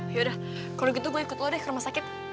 yaudah kalau gitu gue ikut lo deh ke rumah sakit